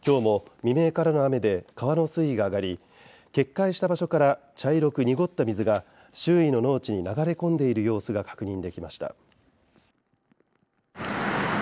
今日も未明からの雨で川の水位が上がり決壊した場所から茶色く濁った水が周囲の農地に流れ込んでいる様子が確認できました。